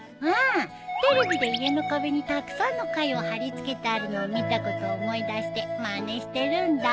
テレビで家の壁にたくさんの貝を貼り付けてあるのを見たことを思い出してまねしてるんだ。